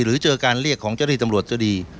หรือเจอการเรียกของเจ้าหน้าที่ตำรวจก็ดี